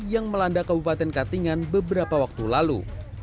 yang melanda kabupaten katingan beberapa waktu lalu